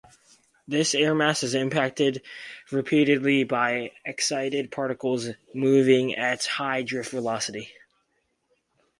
This air mass is impacted repeatedly by excited particles moving at high drift velocity.